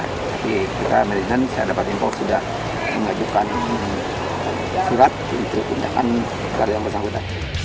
tapi kita meriden saya dapat info sudah mengajukan surat untuk pindahkan ke karyawan pesangkutan